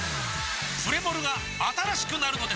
プレモルが新しくなるのです！